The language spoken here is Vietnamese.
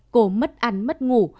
cô mất ăn mất ngủ